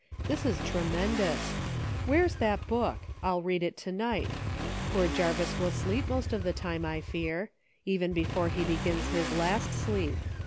This is tremen dous ! Where's that book } I'll read it to night ; poor Jarvis will sleep most of the time, I fear; even before he begins his last sleep.